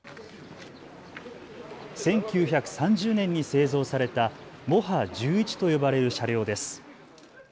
１９３０年に製造されたモハ１１と呼ばれる車両です。